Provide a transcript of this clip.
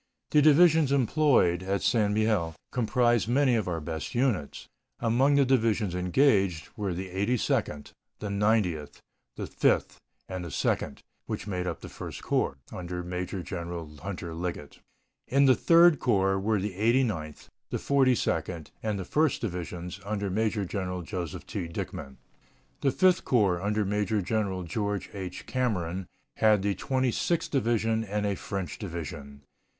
The divisions employed at St. Mihiel comprised many of our best units. Among the divisions engaged were the Eighty second, the Ninetieth, the Fifth, and the Second, which made up the First Corps, under Major General Hunter Liggett. In the Third Corps were the Eighty ninth, the Forty second, and the First Divisions, under Major General Joseph T. Dickman. The Fifth Corps, under Major General George H. Cameron, had the Twenty sixth Division and a French division.